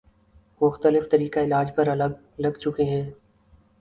مختلف طریقہ علاج پر لگ چکے ہیں